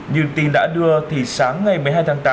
như tin đã đưa thì sáng ngày một mươi hai tháng tám